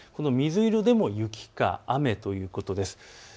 水色でも雪か雨ということです。